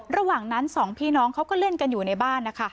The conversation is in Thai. ระหว่างนั้นสองพี่น้องเขาก็เล่นกันอยู่ในบ้านนะคะ